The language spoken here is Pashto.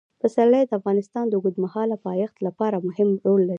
پسرلی د افغانستان د اوږدمهاله پایښت لپاره مهم رول لري.